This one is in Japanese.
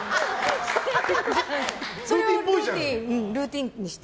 それをルーティンにして。